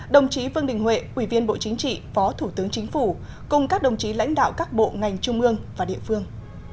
đồng chí vương đình huệ ủy viên bộ chính trị phó thủ tướng chính phủ cùng các đồng chí lãnh đạo các bộ ngành trung ương và địa phương